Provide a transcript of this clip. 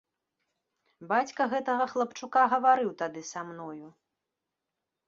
Бацька гэтага хлапчука гаварыў тады са мною.